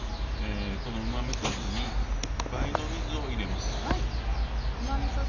このうまみそ酢に倍の水を入れます。